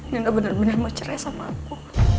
nino bener bener mau cerai sama aku